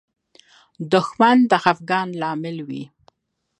دښمن د خفګان لامل وي